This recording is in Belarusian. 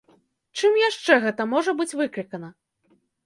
Чым яшчэ гэта можа быць выклікана?